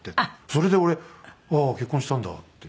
それで俺ああ結婚したんだって。